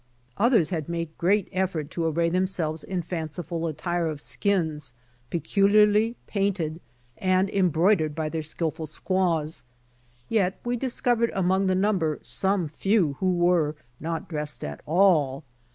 Others had made great effort to array themselves in fanciful attire of skins peculiarly painted and embroidered by their skillful squaws, i'et we discovered among the number some few who were not dressed at all.